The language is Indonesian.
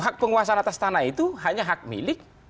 hak penguasaan atas tanah itu hanya hak milik